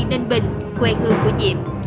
ninh bình quê hương của diệm